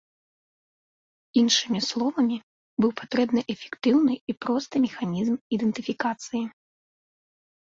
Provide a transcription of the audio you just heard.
Іншымі словамі, быў патрэбны эфектыўны і просты механізм ідэнтыфікацыі.